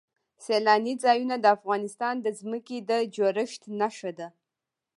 سیلانی ځایونه د افغانستان د ځمکې د جوړښت نښه ده.